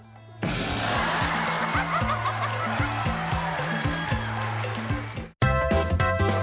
โปรดติดตามตอนต่อไป